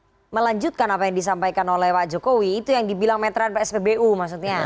perubahan kan gak melanjutkan apa yang disampaikan oleh pak jokowi itu yang dibilang metran spbu maksudnya